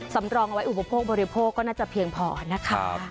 สำรองไว้อุปโภคบริโภคก็น่าจะเพียงพอนะคะ